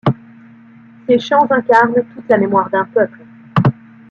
Ses chants incarnent toute la mémoire d’un peuple.